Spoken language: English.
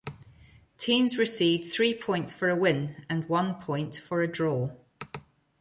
Teams received three points for a win and one point for a draw.